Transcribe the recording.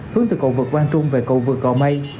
hướng từ cầu vực quang trung về cầu vực cò mây